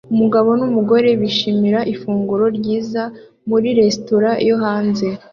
umugabo numugore bishimira ifunguro ryiza muri resitora yo hanze